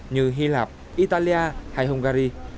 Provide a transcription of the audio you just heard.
như hy lạp italia hay hungary